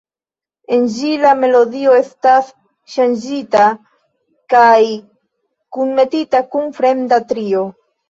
En ĝi la melodio estas ŝanĝita kaj kunmetita kun fremda trio.